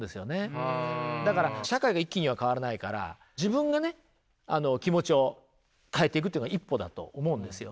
だから社会が一気には変わらないから自分がね気持ちを変えてくというのは一歩だと思うんですよね。